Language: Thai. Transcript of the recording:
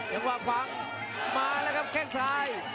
ยังว่าพร้อมมาแล้วกับแก้งซ้าย